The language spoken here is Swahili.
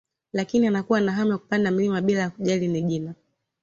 Lakini anakuwa na hamu ya kupanda mlima bila ya kujali ni jina